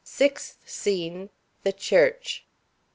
SIXTH SCENE. The Church.